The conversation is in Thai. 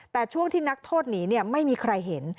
แต่ช่วงที่นักโทษหนีไม่มีใครเห็น